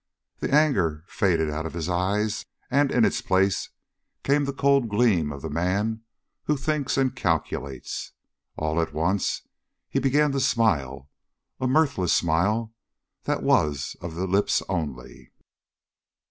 The anger faded out of his eyes, and in its place came the cold gleam of the man who thinks and calculates. All at once he began to smile, a mirthless smile that was of the lips only.